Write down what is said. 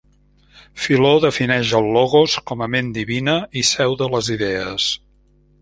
Filó defineix el logos com a ment divina, i seu de les idees.